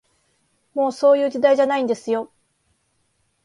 もう、そういう時代じゃないんですよ